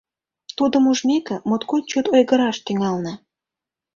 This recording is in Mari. Тудым ужмеке, моткоч чот ойгыраш тӱҥална.